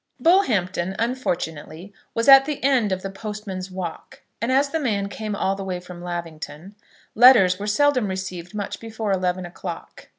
Bullhampton unfortunately was at the end of the postman's walk, and as the man came all the way from Lavington, letters were seldom received much before eleven o'clock.